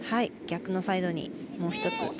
逆のサイドにもう１つ。